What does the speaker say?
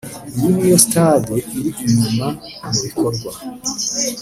Iyi ni yo stade iri inyuma mu bikorwa